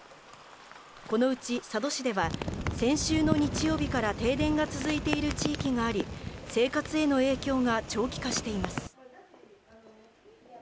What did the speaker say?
このうち佐渡市では、先週の日曜日から停電が続いている地域があり、生活への影響が長期化しています。